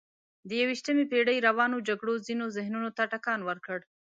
د یویشتمې پېړۍ روانو جګړو ځینو ذهنونو ته ټکان ورکړ.